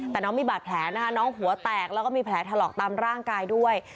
แต่น้องมีบาดแผลนะคะน้องหัวแตกแล้วก็มีแผลถลอกตามร่างกายด้วย